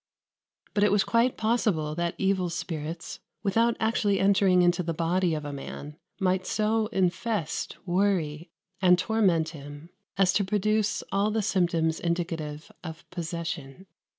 But it was quite possible that evil spirits, without actually entering into the body of a man, might so infest, worry, and torment him, as to produce all the symptoms indicative of possession.